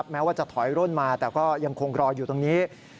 แม้ว่าจะถอยร่นมาแต่ก็ยังคงรออยู่ตรงนี้